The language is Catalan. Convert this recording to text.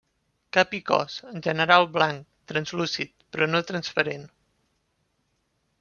Cap i cos, en general, blanc, translúcid, però no transparent.